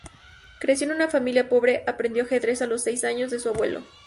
Creció en una familia pobre, aprendió ajedrez a los seis años de su abuelo.